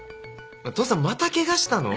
父さんまたケガしたの？